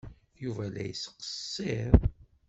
Yuba la yettqeṣṣir.